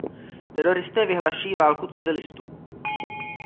Teroristé vyhlašují válku civilistům.